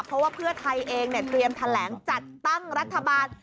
เพราะว่าเพื่อไทยเองเตรียมแถลงจัดตั้งรัฐบาล